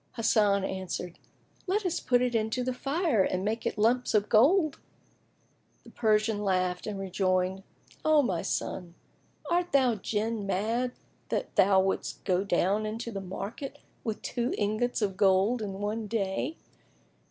Hasan answered, "Let us put it in the fire, and make of it lumps of gold." The Persian laughed and rejoined, "O my son, art thou Jinn mad that thou wouldst go down into the market with two ingots of gold in one day?